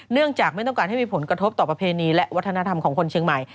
จากไม่ต้องการให้มีผลกระทบต่อประเพณีและวัฒนธรรมของคนเชียงใหม่